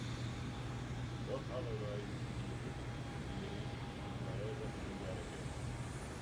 Dat hawwe wy jier út, jier yn lêze en hearre kinnen.